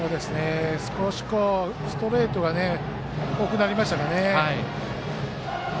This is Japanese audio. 少しストレートが多くなりましたかね。